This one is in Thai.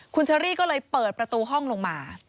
คุณเชอรี่ก็เลยเปิดประตูห้องลงมา